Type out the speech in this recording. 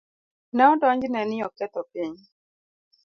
Ne odonjne ni oketho piny.